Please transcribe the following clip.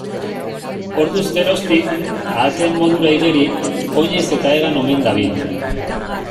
Orduz geroztik, ahateen modura igeri, oinez eta hegan omen dabil.